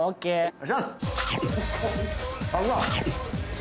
お願いします！